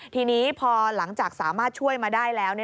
ทีนี้พอหลังจากสามารถช่วยมาได้แล้ว